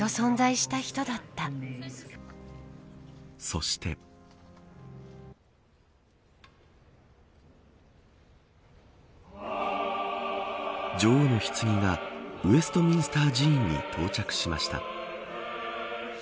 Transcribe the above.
そして女王のひつぎがウェストミンスター寺院に到着しました。